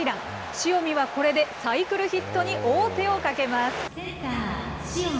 塩見はこれでサイクルヒットに王手をかけます。